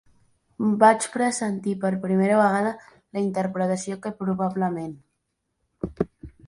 Vaig pressentir per primera vegada la interpretació que probablement...